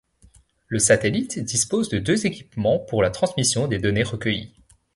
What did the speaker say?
Le satellite dispose de deux équipements pour la transmission des données recueillies.